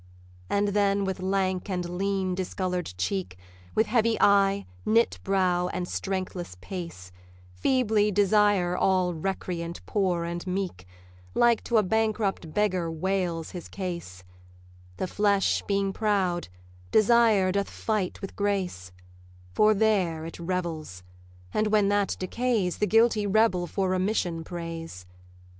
And then with lank and lean discolour'd cheek, With heavy eye, knit brow, and strengthless pace, Feebly Desire, all recreant, poor, and meek, Like to a bankrupt beggar wails his case: The flesh being proud, Desire doth fight with Grace, For there it revels; and when that decays, The guilty rebel for remission prays.